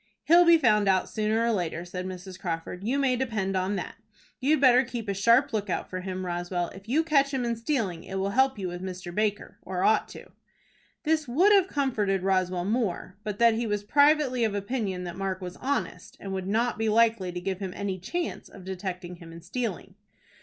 "He'll be found out sooner or later," said Mrs. Crawford. "You may depend on that. You'd better keep a sharp lookout for him, Roswell. If you catch him in stealing, it will help you with Mr. Baker, or ought to." This would have comforted Roswell more, but that he was privately of opinion that Mark was honest, and would not be likely to give him any chance of detecting him in stealing.